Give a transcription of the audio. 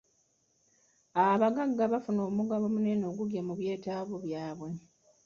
Abagagga bafuna omugabo muneneko ogugya mu bwetaavu bwabwe.